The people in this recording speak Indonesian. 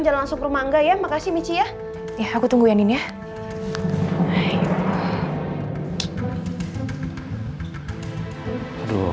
jalan langsung ke rumah enggak ya makasih michi ya ya aku tunggu ya nini ya hai hai